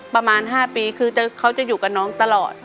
ประมาณ๕ปีคือเขาจะอยู่กับน้องตลอด